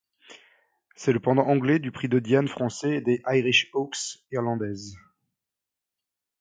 C'est le pendant anglais du Prix de Diane français et des Irish Oaks irlandaises.